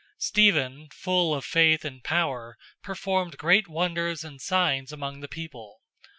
006:008 Stephen, full of faith and power, performed great wonders and signs among the people.